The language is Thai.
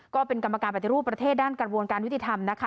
ก็เป็นกรรมการปฏิรูปประเทศด้านกระบวนการยุติธรรมนะคะ